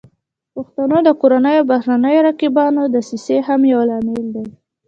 د پښتنو د کورنیو او بهرنیو رقیبانو دسیسې هم یو لامل دی